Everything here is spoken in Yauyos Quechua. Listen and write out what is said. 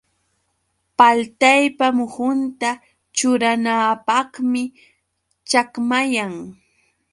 Paltaypa muhunta churananapqmi chakmayan.